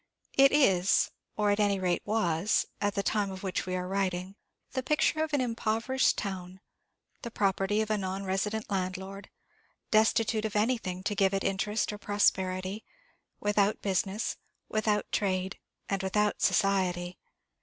It is, or, at any rate, was, at the time of which we are writing, the picture of an impoverished town the property of a non resident landlord destitute of anything to give it interest or prosperity without business, without trade, and without society.